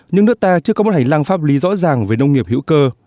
nhưng nước ta chưa có một hành lang pháp lý rõ ràng về nông nghiệp hữu cơ